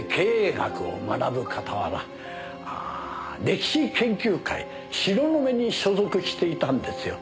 傍ら歴史研究会・東雲に所属していたんですよ。